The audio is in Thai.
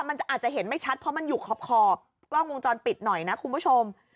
มันอาจจะเห็นไม่ชัดเพราะมันอยู่ขอบกล้องวงจรปิดหน่อยนะคุณผู้ชม